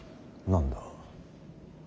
何だ。